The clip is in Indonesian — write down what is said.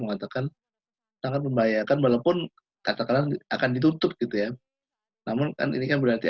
mengatakan sangat membahayakan walaupun katakanlah akan ditutup gitu ya namun kan ini kan berarti